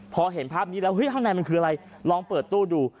พอเห็นภาพนี้แล้วเฮ้ยข้างในมันคืออะไรลองเปิดตู้ดู